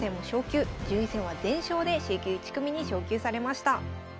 順位戦は全勝でＣ級１組に昇級されました。